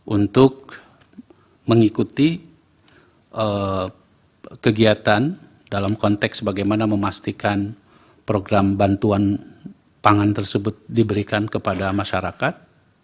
untuk mengikuti kegiatan dalam konteks bagaimana memastikan program bantuan pangan tersebut diberikan kepada masyarakat